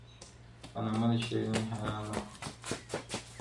په نامه د شیرنۍ حرام نه خورمه,